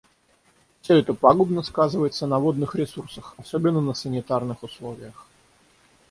Все это пагубно сказывается на водных ресурсах, особенно на санитарных условиях.